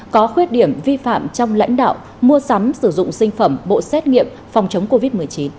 có khuyết điểm vi phạm trong lãnh đạo mua sắm sử dụng sinh phẩm bộ xét nghiệm phòng chống covid một mươi chín